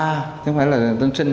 chứ không phải là tên sinh